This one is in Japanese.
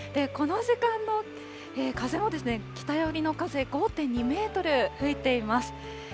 この時間の風も、北寄りの風５．２メートル吹いています。